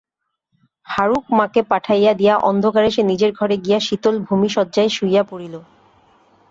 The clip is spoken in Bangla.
হারুর মাকে পাঠাইয়া দিয়া অন্ধকারে সে নিজের ঘরে গিয়া শীতল ভূমিশয্যায় শুইয়া পড়িল।